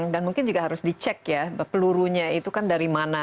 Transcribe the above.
dan mungkin juga harus dicek ya pelurunya itu kan dari mana